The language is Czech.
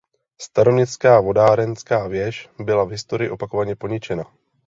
Staroměstská vodárenská věž byla v historii opakovaně poničena.